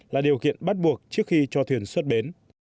là điều kiện bắt buộc trước khi cho thuyền xuất bến